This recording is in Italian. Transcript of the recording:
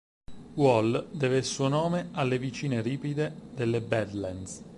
Wall deve il suo nome alle vicine ripide delle Badlands.